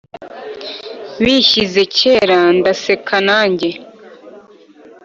bishyize kera ndaseka nanjye